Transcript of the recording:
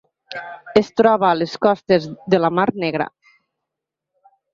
Es troba a les costes de la Mar Negra.